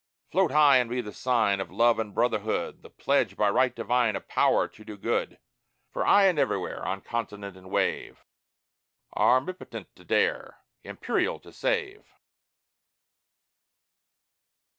Float high, and be the sign Of love and brotherhood, The pledge, by right divine Of Power, to do good; For aye and everywhere, On continent and wave, Armipotent to dare, Imperial to save!